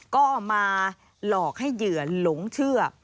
ก็มาหลอกให้เหยื่อหลงเชื่อ